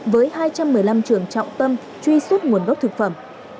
với hai trăm một mươi năm trường trọng tâm truy xuất nguồn gốc thực phẩm